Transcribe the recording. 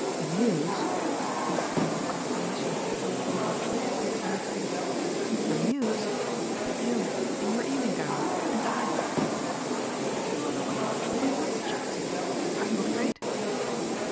"The mews!" He stared in consternation at the pallid oval that stood for her face. "The mews! But you, in your evening gown, and I " "There's no other way. We must chance it. Are you afraid?"